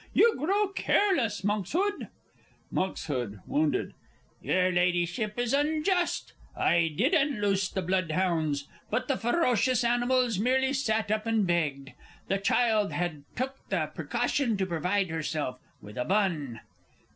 You grow careless, Monkshood! Monks. (wounded). Your Ladyship is unjust I did unloose the bloodhounds; but the ferocious animals merely sat up and begged. The child had took the precaution to provide herself with a bun!